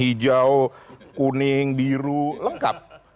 hijau kuning biru lengkap